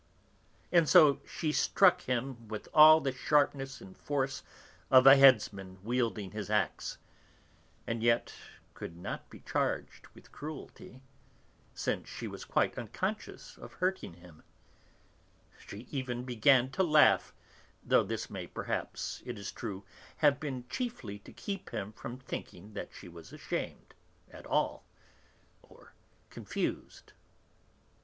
And so she struck him with all the sharpness and force of a headsman wielding his axe, and yet could not be charged with cruelty, since she was quite unconscious of hurting him; she even began to laugh, though this may perhaps, it is true, have been chiefly to keep him from thinking that she was ashamed, at all, or confused.